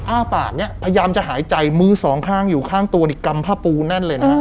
อ้าปากเนี่ยพยายามจะหายใจมือสองข้างอยู่ข้างตัวนี่กำผ้าปูแน่นเลยนะ